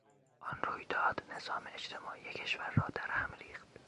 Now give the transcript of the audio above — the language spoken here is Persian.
آن رویداد نظام اجتماعی کشور را درهم ریخت.